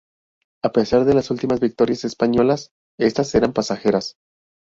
A pesar de las últimas victorias españolas, estas eran pasajeras.